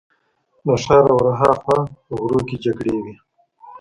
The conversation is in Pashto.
له ښاره ورهاخوا غرو کې جګړې وې.